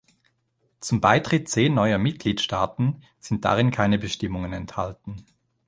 Zum Beitritt zehn neuer Mitgliedstaaten sind darin keine Bestimmungen enthalten.